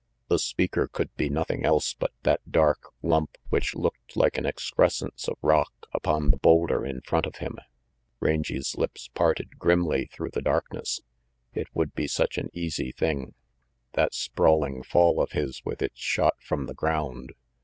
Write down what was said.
The speaker could be nothing else but that dark lump which looked like an excrescence of rock upon the boulder in front of him. Rangy's lips parted grimly through the darkness. It would be such an easy thing, that sprawling fall of his with its shot from the ground.